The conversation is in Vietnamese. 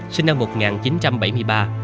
sinh năm một nghìn chín trăm bảy mươi ba